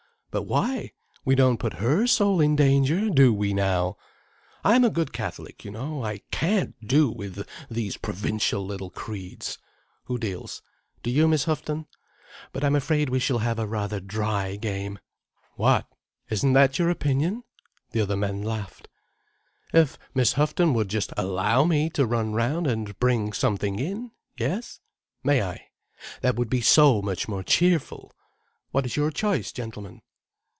"But why? We don't put her soul in danger, do we now? I'm a good Catholic, you know, I can't do with these provincial little creeds. Who deals? Do you, Miss Houghton? But I'm afraid we shall have a rather dry game? What? Isn't that your opinion?" The other men laughed. "If Miss Houghton would just allow me to run round and bring something in. Yes? May I? That would be so much more cheerful. What is your choice, gentlemen?"